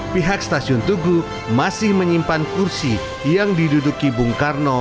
pihak stasiun tugu masih menyimpan kursi yang diduduki bung karno